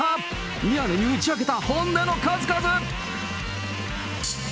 宮根に打ち明けた本音の数々。